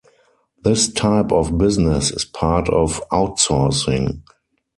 This type of business is part of "outsourcing".